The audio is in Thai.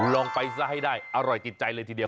ลองไปซะให้ได้อร่อยติดใจเลยทีเดียว